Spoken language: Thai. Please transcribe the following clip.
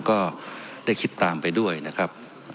ก็ได้คิดตามไปด้วยนะครับ